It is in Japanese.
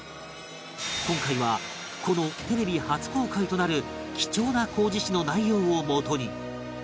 今回はこのテレビ初公開となる貴重な工事誌の内容をもとに